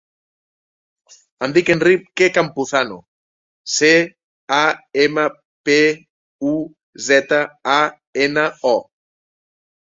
Em dic Enrique Campuzano: ce, a, ema, pe, u, zeta, a, ena, o.